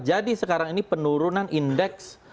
ada penurunan indeks